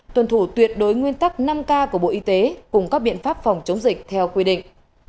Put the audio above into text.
tuần thủ tuyệt đối nguyên tắc năm k của bộ y tế cung cấp biện pháp phòng chống dịch theo quy định